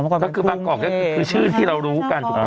ก็คือบางกอกคือชื่อที่เรารู้กัน